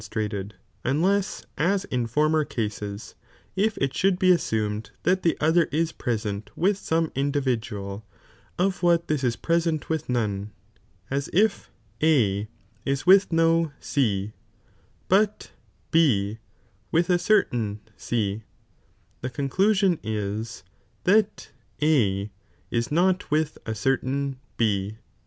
strated, unless as in former cases, if it should be assumed that the other ia present with some individual, of what this is present with none, as if A is with no C, but B with a certain C, the conclusion is, that A is not with a certain B.